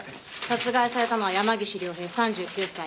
殺害されたのは山岸凌平３９歳。